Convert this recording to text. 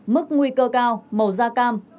mức nguy cơ cao màu da cam